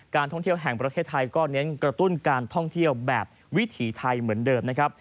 ท่องเที่ยวแห่งประเทศไทยก็เน้นกระตุ้นการท่องเที่ยวแบบวิถีไทยเหมือนเดิมนะครับ